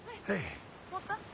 持った？